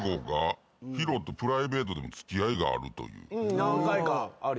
何回かあるよ。